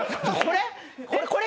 これ？